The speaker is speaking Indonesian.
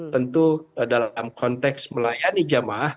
tentu dalam konteks melayani jamaah